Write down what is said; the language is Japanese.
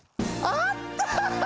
あった！